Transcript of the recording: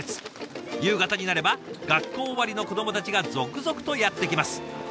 夕方になれば学校終わりの子どもたちが続々とやって来ます。